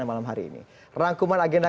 yang malam hari ini perangkuman agenda